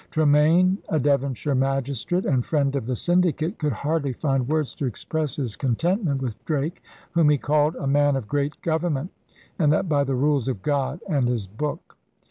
Tremayne, a Devonshire magistrate and friend of the syndicate, could hardly find words to express * ENCOMPASSMENT OF ALL THE WORLDS ' 147 his contentment with Drake, whom he called 'a man of great government, and that by the rules of God and His Book.